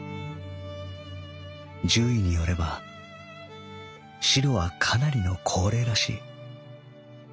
獣医によればしろはかなりの高齢らしい。